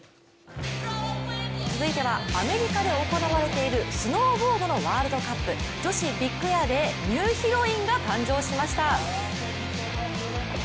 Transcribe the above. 続いてはアメリカで行われているスノーボードのワールドカップ、女子ビッグエアでニューヒロインが誕生しました。